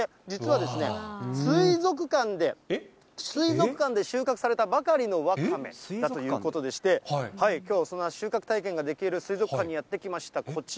実は、水族館で、水族館で収穫されたばかりのワカメだということでございまして、きょうはその収穫体験ができる水族館にやって来ました。